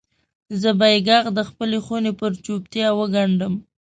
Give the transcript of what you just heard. زه به یې ږغ دخپلې خونې پر چوپتیا وګنډم